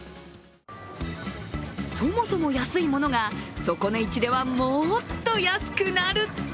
そもそも安いものが、底値市ではもっと安くなる。